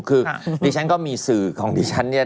คือดิฉันก็มีสื่อที่ดิฉัน